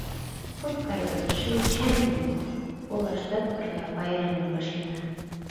От кай гын, шинчен лий: олаштат пырля пайремым вашлийына.